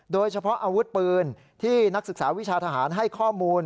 โดยเฉพาะอาวุธปืนที่นักศึกษาวิชาทหารให้ข้อมูล